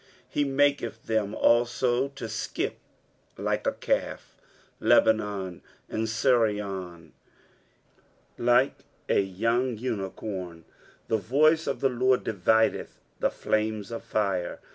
6 He maketh them also to skip like a calf ; Lebanon and Sirion like a young unicorn. 7 The voice of the Lord divideth the flames of fire.